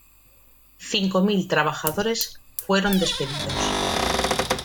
Cinco mil trabajadores fueron despedidos.